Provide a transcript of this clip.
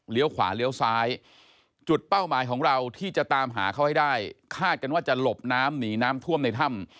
ขวาเลี้ยวซ้ายจุดเป้าหมายของเราที่จะตามหาเขาให้ได้คาดกันว่าจะหลบน้ำหนีน้ำท่วมในถ้ำ